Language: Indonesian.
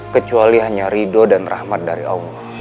kecuali hanya ridho dan rahmat dari allah